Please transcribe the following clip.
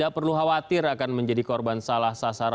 kami akan kembali